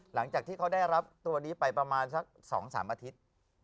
หลังจากที่เขาได้รับตัวนี้ไปประมาณสัก๒๓อาทิตย์